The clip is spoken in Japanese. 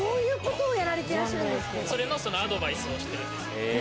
それのアドバイスをしてるんですよ。